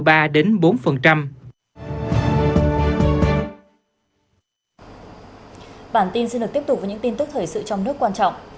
bản tin xin được tiếp tục với những tin tức thời sự trong nước quan trọng